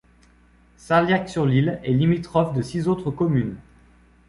Sarliac-sur-l'Isle est limitrophe de six autres communes.